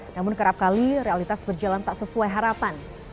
namun kerap kali realitas berjalan tak sesuai harapan